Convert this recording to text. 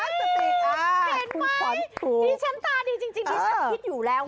นี่ฉันตาดีจริงดิฉันคิดอยู่แล้ว